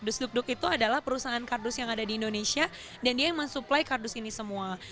dus duk duk itu adalah perusahaan kardus yang ada di indonesia dan dia yang mensuplai kardus ini semua